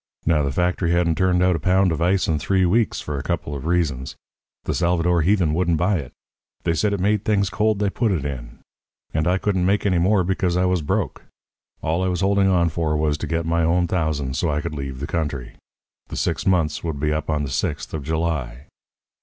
Now, the factory hadn't turned out a pound of ice in three weeks, for a couple of reasons. The Salvador heathen wouldn't buy it; they said it made things cold they put it in. And I couldn't make any more, because I was broke. All I was holding on for was to get down my thousand so I could leave the country. The six months would be up on the sixth of July.